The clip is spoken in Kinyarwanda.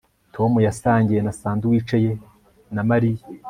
Tom yasangiye na sandwich ye na Mariya